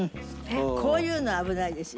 こういうの危ないですよ。